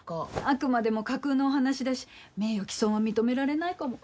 あくまでも架空のお話だし名誉毀損は認められないかも。